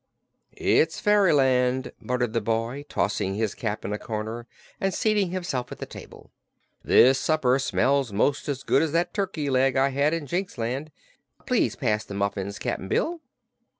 "It's fairyland," muttered the boy, tossing his cap in a corner and seating himself at the table. "This supper smells 'most as good as that turkey leg I had in Jinxland. Please pass the muffins, Cap'n Bill."